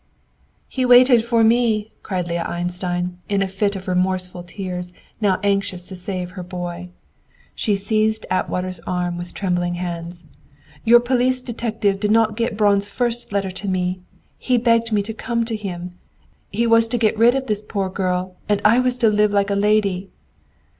"HE WAITED FOR ME," cried Leah Einstein, in a fit of remorseful tears, now anxious to save her boy. She seized Atwater's arm with trembling hands. "Your police detective did not get Braun's first letter to me. He begged me to come to him. He was to get rid of this poor girl, and I was to live like a lady."